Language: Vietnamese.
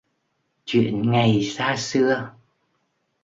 Chuyện ngày xa xưa